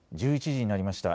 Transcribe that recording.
１１時になりました。